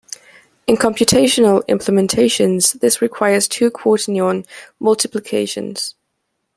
In computational implementations this requires two quaternion multiplications.